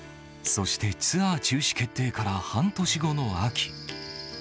そしてツアー中止決定から半年後の秋。